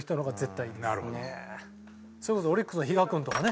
それこそオリックスの比嘉君とかね。